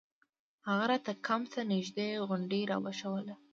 هغه راته کمپ ته نژدې غونډۍ راوښووله.